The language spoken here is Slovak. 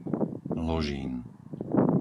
Ložín